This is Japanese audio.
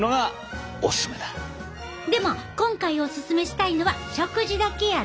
でも今回オススメしたいのは食事だけや